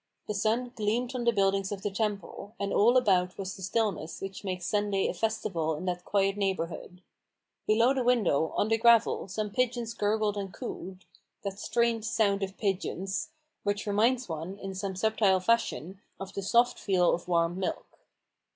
The sun gleamed on the buildings of the Temple ; and all about was the stillness which makes Sunday a festival in that quiet neighbourhood. Below the window, on the gravel, some pigeons gurgled I48 A BOOK OF BARGAINS. and coo'd — that strange sound of pigeons ! which reminds one, in some subtile fashion, of the soft feel of warm milk.